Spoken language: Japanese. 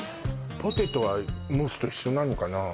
ポテトはモスと一緒なのかなあ・